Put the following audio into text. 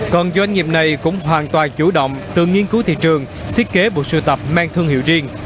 còn doanh nghiệp này cũng hoàn toàn chủ động từ nghiên cứu thị trường thiết kế bộ sưu tập mang thương hiệu riêng